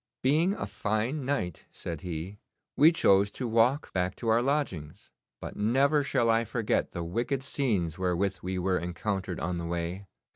'Being a fine night,' said he, 'we chose to walk back to our lodgings; but never shall I forget the wicked scenes wherewith we were encountered on the way.